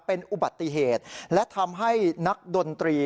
เป็นอุบัติเหตุและทำให้นักดนตรี